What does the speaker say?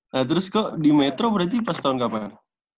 nah terus kok di metro berarti pas tahun kapan